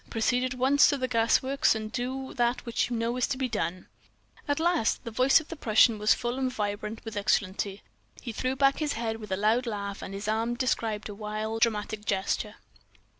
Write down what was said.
Proceed at once to the gas works and do that which you know is to be done.'"_ "At last!" The voice of the Prussian was full and vibrant with exultancy. He threw back his head with a loud laugh, and his arm described a wild, dramatic gesture.